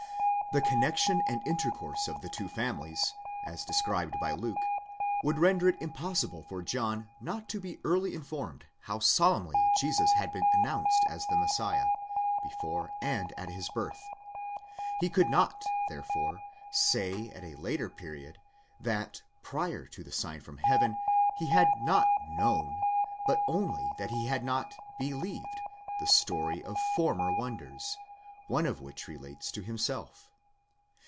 The connection and intercourse of the two families, as described by Luke, would render it impossible for John not to be early informed how solemnly Jesus had been announced as the Messiah, before and at his birth ; he could not therefore say at a later period that, prior to the sign from heaven, he had not Avowmn, but only that he had not believed, the story of former wonders, one of which relates to himself.